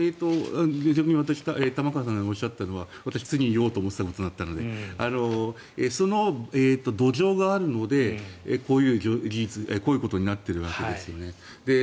玉川さんがおっしゃったのは私が次に言おうと思っていたことなのでその土壌があるのでこういうことになっているわけですよね。